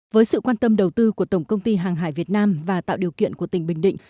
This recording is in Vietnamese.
với sự quan tâm đầu tư của tổng công ty hàng hải việt nam và tạo điều kiện của tỉnh bình định